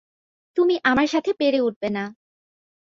তুমি আমার সাথে পেরে উঠবে না।